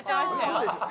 嘘でしょ？